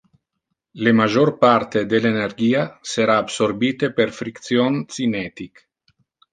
Le major parte del energia sera absorbite per friction cinetic.